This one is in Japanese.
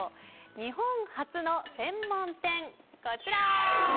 日本初の専門店、こちら！